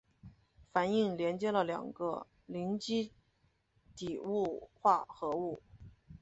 反应连接了两个羰基底物化合物。